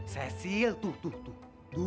cecil tuh tuh tuh tuh